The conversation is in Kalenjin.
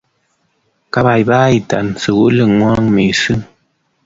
Kepaipaitan sukuli ng'wong' missing'